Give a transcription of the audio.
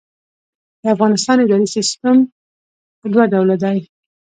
د افغانستان اداري سیسټم په دوه ډوله دی.